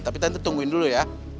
tapi nanti tungguin dulu ya